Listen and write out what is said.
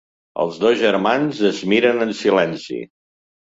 Els dos germans es miren en silenci.